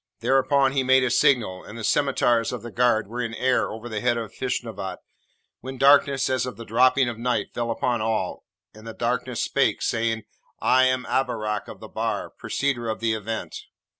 Thereupon he made a signal, and the scimitars of the guard were in air over the head of Feshnavat, when darkness as of the dropping of night fell upon all, and the darkness spake, saying, 'I am Abarak of the Bar, preceder of the Event!'